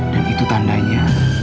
dan itu tandanya